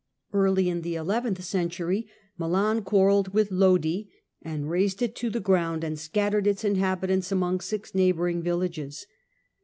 Early in the eleventh century Milan quarrelled with Lodi, and razed it to the ground, and scattered its inhabitants among six neighbouring villages.